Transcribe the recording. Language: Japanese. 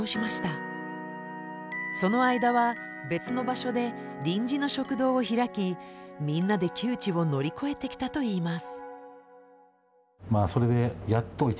その間は別の場所で臨時の食堂を開きみんなで窮地を乗り越えてきたといいます。